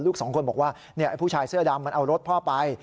ลูกสองคนบอกว่าผู้ชายเสื้อดำมันเอารถพ่อไป